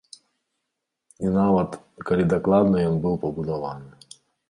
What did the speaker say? І нават, калі дакладна ён быў пабудаваны.